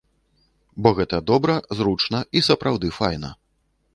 Бо гэта добра, зручна і сапраўды файна.